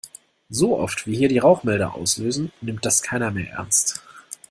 So oft, wie hier die Rauchmelder auslösen, nimmt das keiner mehr ernst.